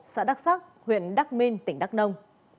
xã đắc sắc huyện đắc minh tỉnh đắc nông